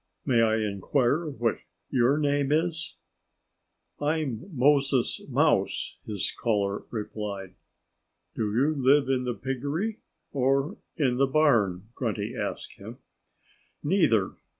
"May I inquire what your name is?" "I'm Moses Mouse," his caller replied. "Do you live in the piggery? or in the barn?" Grunty asked him. "Neither!"